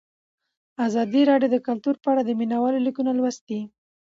ازادي راډیو د کلتور په اړه د مینه والو لیکونه لوستي.